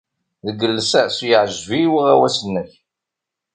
Deg llsas, yeɛjeb-iyi uɣawas-nnek.